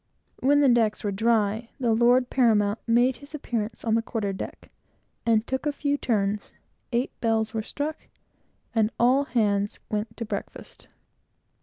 When the decks were dry, the lord paramount made his appearance on the quarter deck, and took a few turns, when eight bells were struck, and all hands went to breakfast.